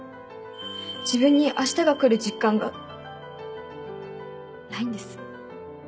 自分に明日が来る実感がないんです